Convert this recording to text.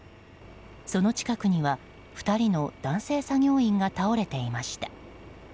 その近くには２人の男性作業員が倒れていました。